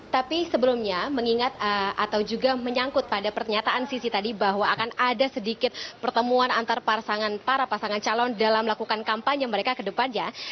tapi sebelumnya mengingat atau juga menyangkut pada pernyataan sisi tadi bahwa akan ada sedikit pertemuan antara para pasangan calon dalam melakukan kampanye mereka ke depannya